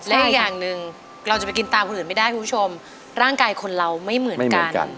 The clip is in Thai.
และอีกอย่างหนึ่งเราจะไปกินตามคนอื่นไม่ได้คุณผู้ชมร่างกายคนเราไม่เหมือนกัน